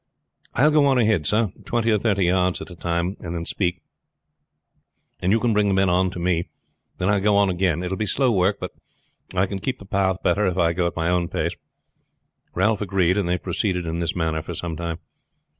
"I will go on ahead, sir, twenty or thirty yards at a time and then speak, and you can bring the men on to me, then I will go on again. It will be slow work, but I can keep the path better if I go at my own pace." Ralph agreed, and they proceeded in this manner for some time.